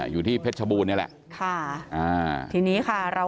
อยู่ที่เพชรชบูรณ์นี่แหละ